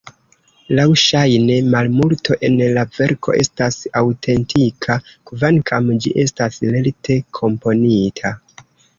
Laŭŝajne, malmulto en la verko estas aŭtentika, kvankam ĝi estas lerte komponita.